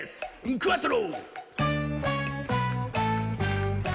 クアトロ！」